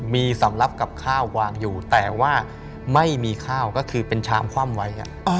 มีสำหรับกับข้าววางอยู่แต่ว่าไม่มีข้าวก็คือเป็นชามคว่ำไว้